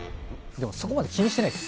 そこまで気にしてないです。